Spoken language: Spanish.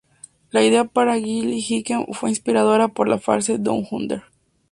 La idea para Gilly Hicks fue inspirada por la frase "Down Under.